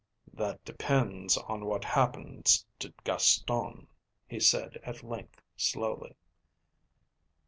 "That depends on what happens to Gaston," he said at length slowly.